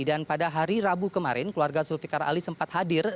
dan pada hari rabu kemarin keluarga zulfiqar ali sempat hadir